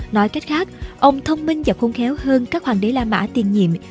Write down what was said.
nói cách khác ông thông minh và khung khéo hơn các hoàng đế la mã tiên nhiệm